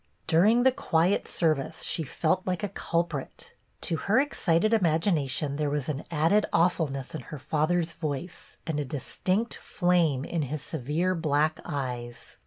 During the quiet service she felt like a culjDrit; to her excited imagination there was an added aw fulness in her father's voice, and a distinct flame in his severe black eyes.